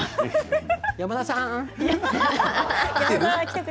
山田さん！